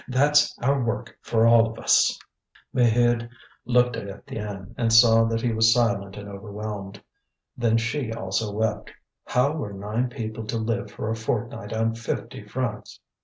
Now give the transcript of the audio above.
That's our work for all of us." Maheude looked at Étienne, and saw that he was silent and overwhelmed. Then she also wept. How were nine people to live for a fortnight on fifty francs?